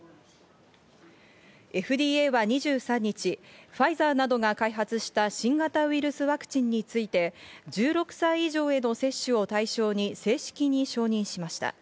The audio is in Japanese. ＦＤＡは２３日、ファイザーなどが開発した新型ウイルスワクチンについて、１６歳以上への接種を対象に正式に承認しました。